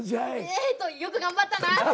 えっとよく頑張ったなって。